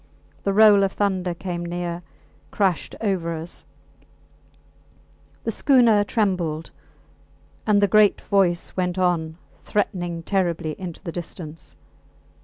The roll of thunder came near, crashed over us; the schooner trembled, and the great voice went on, threatening terribly, into the distance.